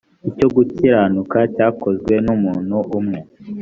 icyo gukiranuka cyakozwe n umuntu umwe